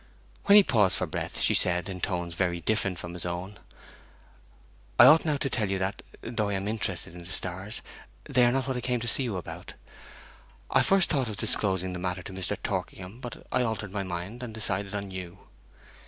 When he paused for breath she said, in tones very different from his own, 'I ought now to tell you that, though I am interested in the stars, they were not what I came to see you about. ... I first thought of disclosing the matter to Mr. Torkingham; but I altered my mind, and decided on you.'